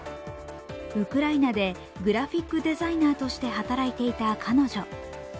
ウクライナでグラフィックデザイナーとして働いていた彼女。